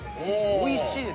おいしいですよ。